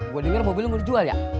gue denger mobil lo udah jual ya